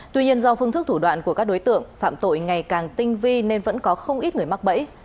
tuy nhiên do phương thức thủ đoạn của các đối tượng phạm tội ngày càng tinh vi nên vẫn có không ít người mắc bẫy